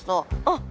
あっ。